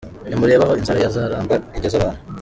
Nimurebe aho inzara ya “Nzaramba” igeze abantu!